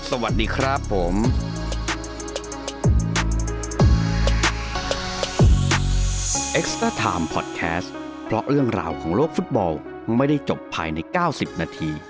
สวัสดีครับผม